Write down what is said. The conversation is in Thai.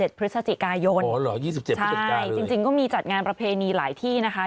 อ๋อเหรอ๒๗พฤศจิกายนเลยใช่จริงก็มีจัดงานประเพณีหลายที่นะคะ